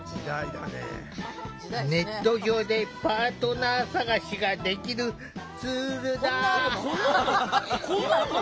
ネット上で、パートナー探しができるツールだ。